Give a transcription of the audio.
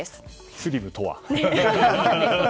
スリムとは。